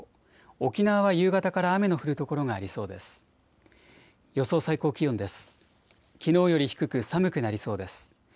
沖縄は夕方から雨の降る所がありそうです。